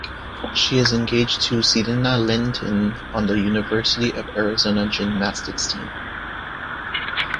She is engaged to Sirena Linton on the University of Arizona Gymnastics Team.